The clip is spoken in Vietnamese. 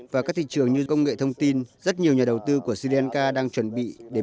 vào các thị trường như công nghệ thông tin rất nhiều nhà đầu tư của sri lanka đang chuẩn bị để